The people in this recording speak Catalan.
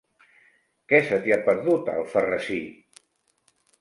Què se t'hi ha perdut, a Alfarrasí?